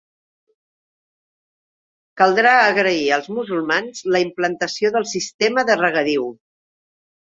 Caldrà agrair als musulmans la implantació del sistema de regadiu.